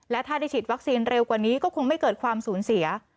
และถ้าได้ฉีดวัคซีนเร็วกว่านี้ก็คงไม่เกิดความสูญเสีย